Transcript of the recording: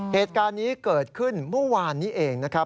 เหตุการณ์นี้เกิดขึ้นเมื่อวานนี้เองนะครับ